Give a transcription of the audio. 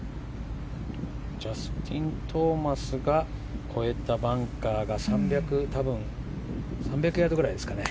ジャスティン・トーマスが越えたバンカーが３００ヤードくらいですかね。